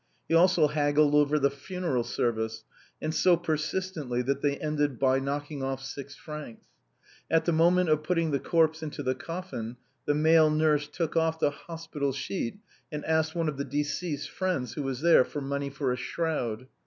He also haggled over the funeral service, and so persistently that they ended by knocking off six francs. At the moment of petting the corpse into the coffin, the male nurse took off the hospital sheet, and asked one of the deceased's friends who was there for the money for a shroud.